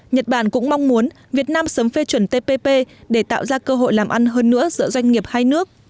nhật bản cũng mong muốn việt nam sớm phê chuẩn tpp để tạo ra cơ hội làm ăn hơn nữa giữa doanh nghiệp hai nước